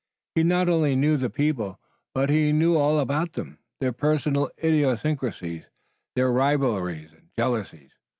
He not only knew the people, but he knew all about them, their personal idiosyncrasies, their rivalries and jealousies.